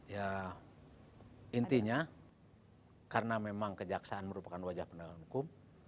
ya intinya karena memang kejaksaan merupakan wajah penegakan hukum